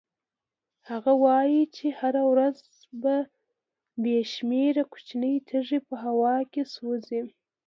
هغه وایي چې هره ورځ بې شمېره کوچنۍ تېږې په هوا کې سوځي.